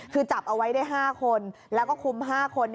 คือจับเอาไว้ได้๕คนแล้วก็คุม๕คน